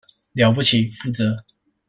了不起，負責